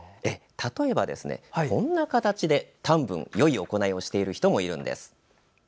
例えばこんな形で、タンブンよい行いをしている人もいます。